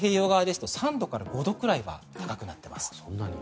太平洋側ですと３度から５度くらいは高くなっています。